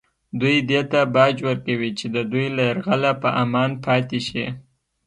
دوی دې ته باج ورکوي چې د دوی له یرغله په امان پاتې شي